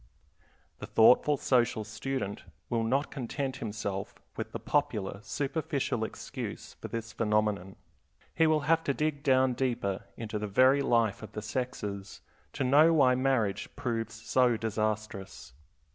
The thoughtful social student will not content himself with the popular superficial excuse for this phenomenon. He will have to dig down deeper into the very life of the sexes to know why marriage proves so disastrous.